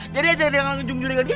jadi aja jangan nganggung nggung dia